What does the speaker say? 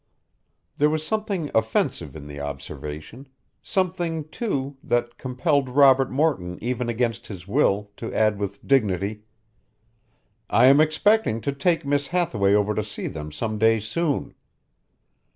There was something offensive in the observation; something, too, that compelled Robert Morton even against his will to add with dignity: "I am expecting to take Miss Hathaway over to see them some day soon."